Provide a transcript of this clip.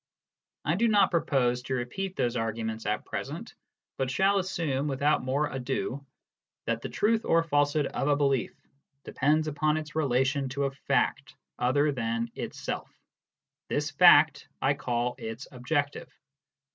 I do not propose to repeat those arguments at present, but shall assume, without more ado, that the truth or falsehood of a belief depends upon its relation to a fact other than itself. This fact I call its " objective."